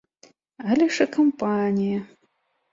Але ж і кампанія!